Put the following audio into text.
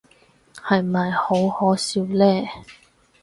係咪好可笑呢？